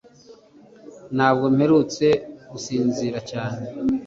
Ntabwo mperutse gusinzira cyane.